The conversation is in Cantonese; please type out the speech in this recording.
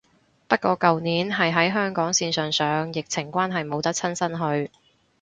不過舊年係喺香港線上上，疫情關係冇得親身去